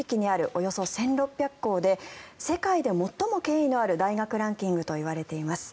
およそ１６００校で世界で最も権威のある大学ランキングといわれています